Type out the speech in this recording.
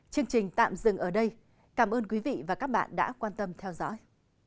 chương trình tạm dừng ở đây cảm ơn quý vị và các bạn đã quan tâm theo dõi